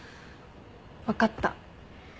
分かった。